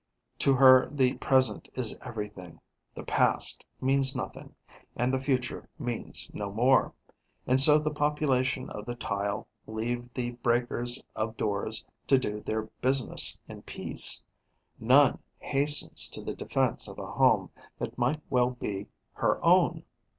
To her the present is everything; the past means nothing; and the future means no more. And so the population of the tile leave the breakers of doors to do their business in peace; none hastens to the defence of a home that might well be her own.